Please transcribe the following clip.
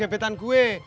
lu jangan nyadar aku ya